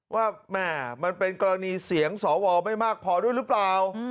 ว่าแม่มันเป็นกรณีเสียงสวไม่มากพอด้วยหรือเปล่า